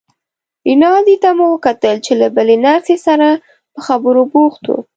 رینالډي ته مو وکتل چې له بلې نرسې سره په خبرو بوخت و.